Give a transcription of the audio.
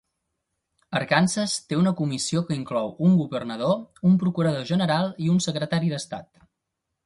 Arkansas té una comissió que inclou un governador, un procurador general i un secretari d'estat.